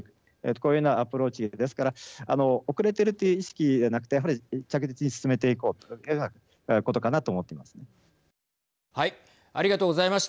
このようなアプローチですから後れてるという意識ではなくてやはり着実に進めていこうということかなと思っています。